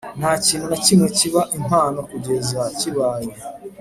ntakintu na kimwe kiba impamo kugeza kibaye